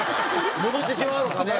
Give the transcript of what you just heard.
戻ってしまうんかね？